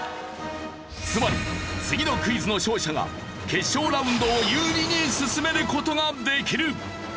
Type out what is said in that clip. つまり次のクイズの勝者が決勝ラウンドを有利に進める事ができる。